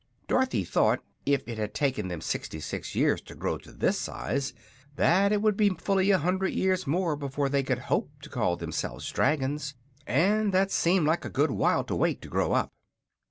Dorothy thought, if it had taken them sixty six years to grow to this size, that it would be fully a hundred years more before they could hope to call themselves dragons, and that seemed like a good while to wait to grow up.